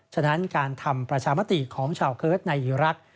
ฉะนั้นการทำประชามติของชาวเคิร์ตในอีรักษ